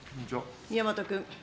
宮本君。